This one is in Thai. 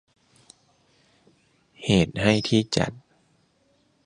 เหตุให้ที่จัด